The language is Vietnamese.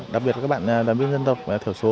đặc biệt là các bạn đoàn viên dân tộc thiểu số